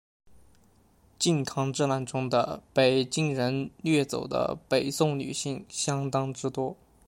靖康之难中的被金人掠走的北宋女性相当之多。